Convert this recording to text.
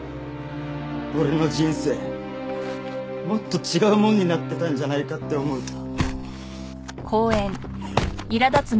俺の人生もっと違うもんになってたんじゃないかって思うと。